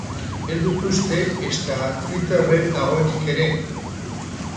Ez dut uste ezta Twitterren dagoenik ere.